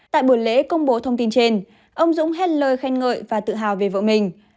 tại buổi lễ công bố thông tin trên ông dũng hết lời khen ngợi và tự hào về vợ mình